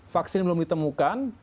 vaksin belum ditemukan